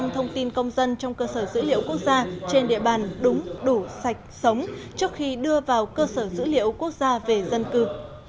một trăm linh thông tin công dân trong cơ sở dữ liệu quốc gia trên địa bàn đúng đủ sạch sống trước khi đưa vào cơ sở dữ liệu quốc gia về dân cư